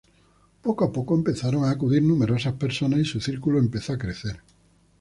Poco a poco empezaron a acudir numerosas personas y su círculo empezó a crecer.